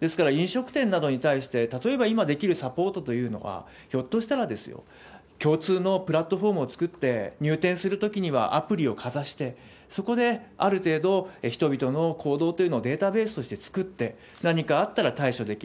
ですから、飲食店などに対して、例えば、今できるサポートというのは、ひょっとしたら、共通のプラットホームを作って、入店するときにはアプリをかざして、そこである程度人々の行動というのをデータベースとして作って、何かあったら対処できる。